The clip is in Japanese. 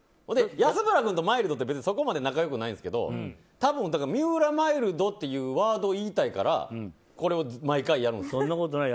安村君とマイルドってそこまで仲良くないんですけど多分、三浦マイルドってワードを言いたいからそんなことない。